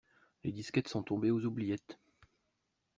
Les disquettes sont tombées aux oubliettes.